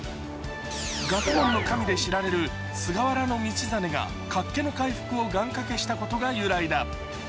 学問の神で知られる菅原道真がかっけの回復を願掛けしたことが由来だ。